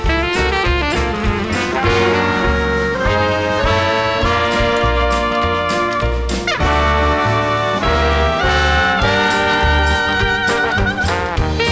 โปรดติดตามต่อไป